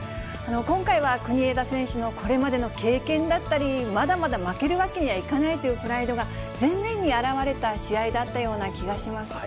今回は国枝選手のこれまでの経験だったり、まだまだ負けるわけにはいかないというプライドが前面に表れた試合だったような気がします。